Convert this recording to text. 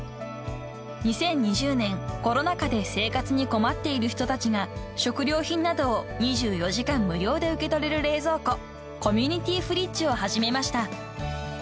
［２０２０年コロナ禍で生活に困っている人たちが食料品などを２４時間無料で受け取れる冷蔵庫コミュニティフリッジを始めました］